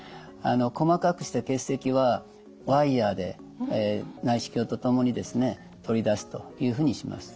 細かくした結石はワイヤーで内視鏡と共に取り出すというふうにします。